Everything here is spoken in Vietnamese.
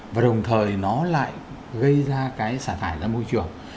và đồng thời nó lại gây ra cái xả thải ra môi trường